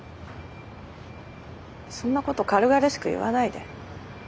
そんなこと軽々しく言わないで。